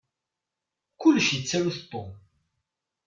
Kullec yettaru-t Tom.